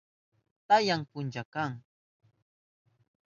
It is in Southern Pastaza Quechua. Tamya puncha kan.